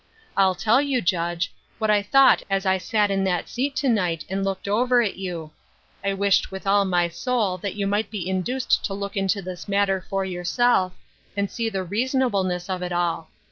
I'll tell you, Judge, what I thought as I sat in that seat to night and looked over at you. 1 wished with all my sou) that you might be induced to look into this mat ter for yourself, and see the reasonableness of it all.